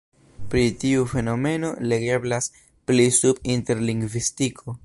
Pri tiu fenomeno legeblas pli sub interlingvistiko.